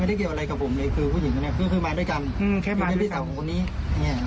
ไม่ได้เกี่ยวอะไรกับผมคือผู้หญิงกันคือมาด้วยกัน